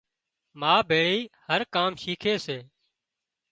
ما ڀيۯي هر ڪام شِيکي سي